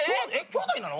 姉弟なの？